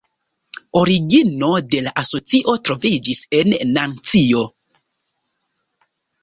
Origino de la asocio troviĝis en Nancio.